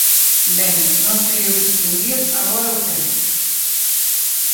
Ben, ¿non sei eu distinguir agora, ou que?